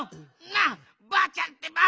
なあばあちゃんってば！